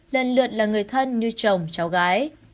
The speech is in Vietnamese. lần lượt là người thân như chồng cháu gái